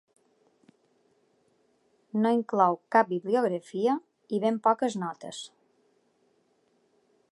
No inclou cap bibliografia, i ben poques notes.